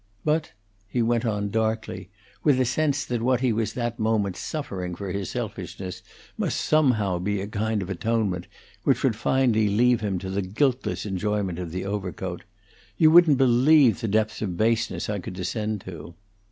"But," he went on, darkly, with a sense that what he was that moment suffering for his selfishness must somehow be a kind of atonement, which would finally leave him to the guiltless enjoyment of the overcoat, "you wouldn't believe the depths of baseness I could descend to."